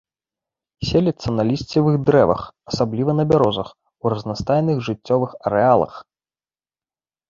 Селіцца на лісцевых дрэвах, асабліва на бярозах, ў разнастайных жыццёвых арэалах.